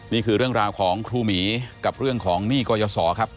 นี่คือเรื่องราวของครูหมีกับเรื่องของหนี้กรยศรครับ